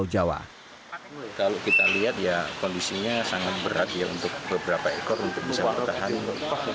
kalau kita lihat ya kondisinya sangat berat ya untuk beberapa ekor untuk bisa bertahan